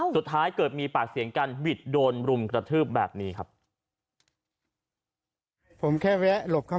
สุดท้ายเกิดมีปากเสียงกันบิดโดนรุมกระทืบแบบนี้ครับ